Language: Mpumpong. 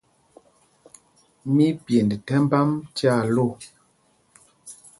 Mí í pyend thɛmb ām tyaa lô.